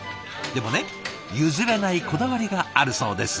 でもね譲れないこだわりがあるそうです。